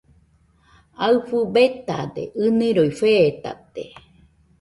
Aɨfɨ betade, ɨniroi fetate.